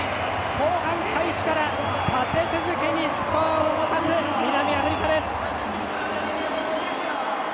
後半開始から立て続けにスコアを動かす南アフリカです！